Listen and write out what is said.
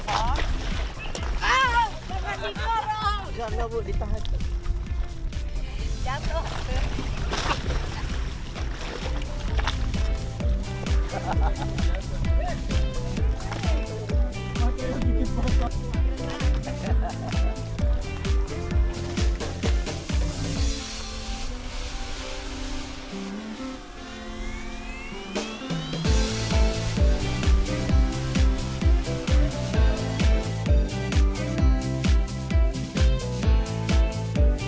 aaaa beneran di dorong